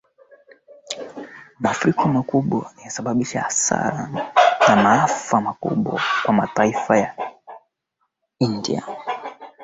wakeLuther alitumia kwa nadra neno urekebisho lakini likaja kuwa